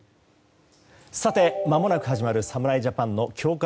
まもなく始まる侍ジャパンの強化